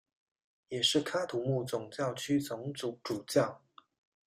也是喀土穆总教区总主教。